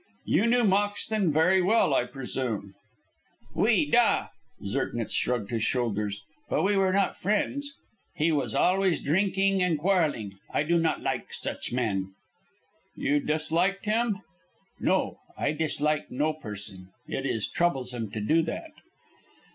"You knew Moxton very well, I presume?" "Oui da!" Zirknitz shrugged his shoulders; "but we were not friends. He was always drinking and quarrelling. I do not like such men." "You disliked him?" "No. I dislike no person. It is troublesome to do that."